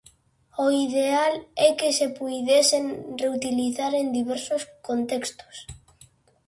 O ideal é que se puidesen reutilizar en diversos contextos.